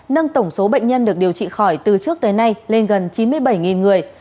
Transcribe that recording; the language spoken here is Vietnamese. nâng tổng số bệnh nhân được điều trị khỏi từ trước tới nay lên gần chín mươi bảy người